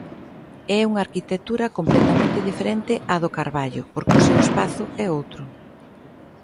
É unha arquitectura completamente diferente á do carballo, porque o seu espazo é outro.